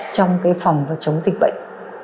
trong phòng chống dịch bệnh